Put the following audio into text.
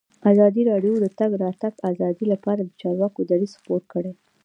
ازادي راډیو د د تګ راتګ ازادي لپاره د چارواکو دریځ خپور کړی.